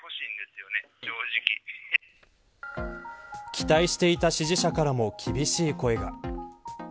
期待していた支持者からも厳しい声が。